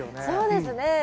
そうですね。